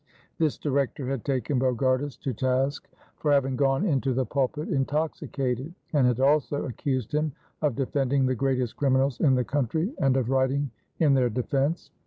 This Director had taken Bogardus to task for having gone into the pulpit intoxicated, and had also accused him of defending the greatest criminals in the country and of writing in their defense.